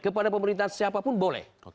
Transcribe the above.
kepada pemerintah siapapun boleh